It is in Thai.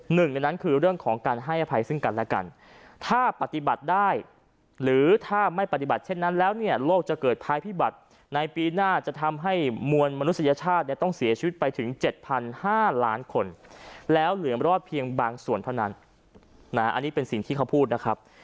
หนึ่งในนั้นคือเรื่องของการให้อภัยซึ่งกันและกันถ้าปฏิบัติได้หรือถ้าไม่ปฏิบัติเช่นนั้นแล้วเนี่ยโลกจะเกิดภัยพิบัติในปีหน้าจะทำให้มวลมนุษยชาติเนี่ยต้องเสียชีวิตไปถึง๗๕๐๐ล้านคนแล้วเหลือรอดเพียงบางส่วนเท่านั้นนะอันนี้เป็นสิ่งที่เขาพูดนะครับ